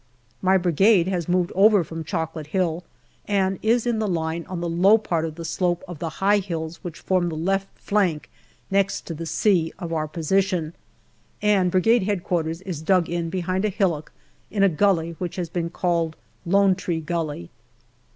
My Brigade has moved over from Chocolate Hill, and is in the line on the low part of the slope of the high hills which form the left flank, next to the sea, of our position, and Brigade H.Q. is dug in behind a hillock in a gully which has been called Lone Tree Gully.